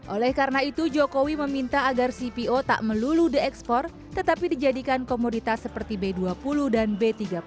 oleh karena itu jokowi meminta agar cpo tak melulu diekspor tetapi dijadikan komoditas seperti b dua puluh dan b tiga puluh